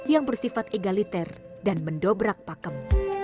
yang bersifat egaliter dan mendobrak pakem